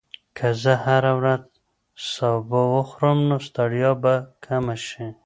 که زه هره ورځ سبو وخورم، نو ستړیا به کمه شي.